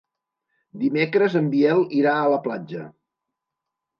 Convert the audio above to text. Dimecres en Biel irà a la platja.